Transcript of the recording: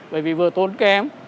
bởi vì vừa tốn kém